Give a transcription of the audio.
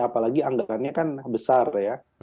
apalagi anggarannya kan besar ya